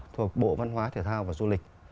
thuộc bộ văn hóa thể thao và du lịch